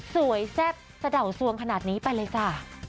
แซ่บสะเดาวสวงขนาดนี้ไปเลยจ้ะ